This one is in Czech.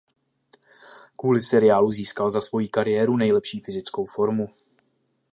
Kvůli seriálu získal za svoji kariéru nejlepší fyzickou formu.